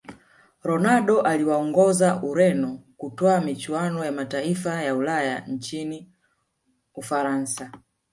ronaldo aliwaongoza Ureno kutwaa michuano ya mataifaya ulaya nchini Ufaransa